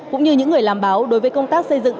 cũng như những người làm báo đối với công tác xây dựng